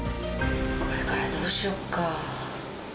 これからどうしようか。